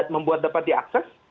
membuat dapat diakses